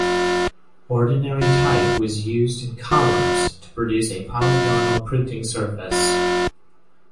Ordinary type was used in columns to produce a polygonal printing surface.